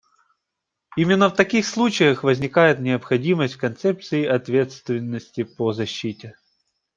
Именно в таких случаях возникает необходимость в концепции ответственности по защите.